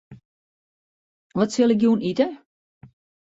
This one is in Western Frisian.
Wat sil ik jûn ite?